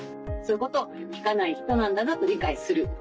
そういうことを「聞かない人なんだな」と理解する。